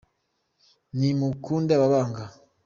Nimukunde ababanga.